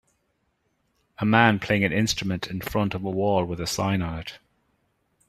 A man playing an instrument in front of a wall with a sign on it.